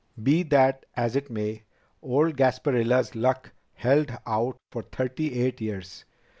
"Be that as it may, old Gasparilla's luck held out for thirty eight years.